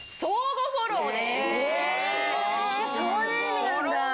えそういう意味なんだ。